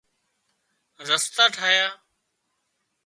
رستا ٺاهيا